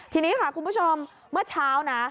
ทีนี้ค่ะคุณผู้ชมเมื่อเช้านะ